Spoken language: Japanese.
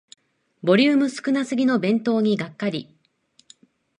ボリューム少なすぎの弁当にがっかり